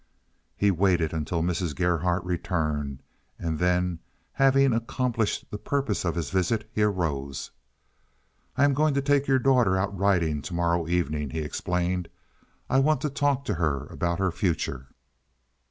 He waited until Mrs. Gerhardt returned, and then, having accomplished the purpose of his visit, he arose. "I'm going to take your daughter out riding to morrow evening," he explained. "I want to talk to her about her future."